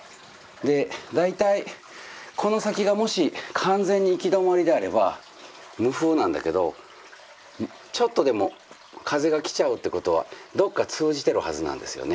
で大体この先がもし完全に行き止まりであれば無風なんだけどちょっとでも風が来ちゃうってことはどこか通じてるはずなんですよね。